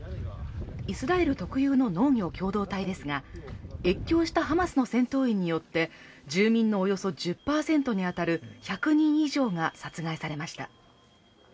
イスラエル特有の農業共同体ですが越境したハマスの戦闘員によって住民のおよそ１０％に当たる１００人以上が殺害されました。